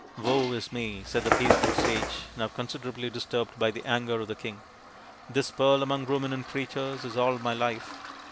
" Woe is me !" said the peaceful sage, now con siderably disturbed by the anger of the king. " This Pearl among Ruminant Creatures is all my life.